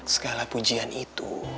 segala pujian itu